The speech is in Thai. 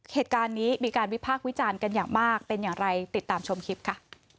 เหตุการณ์นี้มีการวิพากษ์วิจารณ์กันอย่างมากเป็นอย่างไรติดตามชมคลิปค่ะ